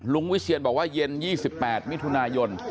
วิเชียนบอกว่าเย็น๒๘มิถุนายน